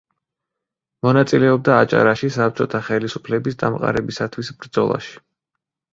მონაწილეობდა აჭარაში საბჭოთა ხელისუფლების დამყარებისათვის ბრძოლაში.